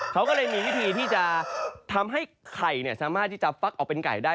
เขาก็เลยมีวิธีที่จะทำให้ไข่สามารถที่จะฟักออกเป็นไก่ได้